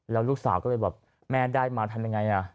แล้วลูกสาวก็เลยแบบแม่ได้มาทำยังไงอ่ะ